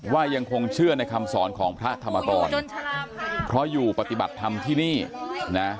ว่ายังคงเชื่อในคำสอนของพระธรรมกรเพราะอยู่ปฏิบัติธรรมที่นี่นะ